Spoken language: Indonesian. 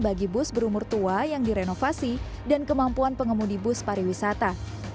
bagi bus berumur tua yang direnovasi dan kemampuan pengemudi bus pariwisata